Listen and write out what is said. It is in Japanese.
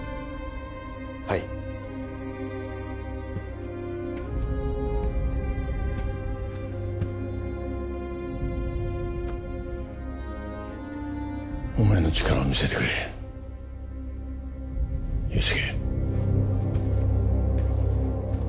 はいお前の力を見せてくれ憂助